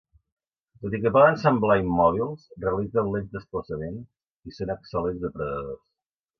Tot i que poden semblar immòbils, realitzen lents desplaçaments i són excel·lents depredadors.